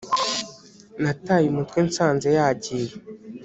Nataye umutwe nsanze yagiye